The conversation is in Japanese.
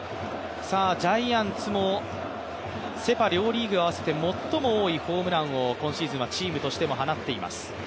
ジャイアンツもセ・パ両リーグ合わせて最も多いホームランを今シーズンはチームとしても放っています。